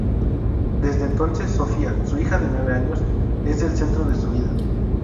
Desde entonces Sofía, su hija de nueve años, es el centro de su vida.